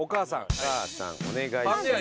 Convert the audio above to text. お母さんお願いしますよ。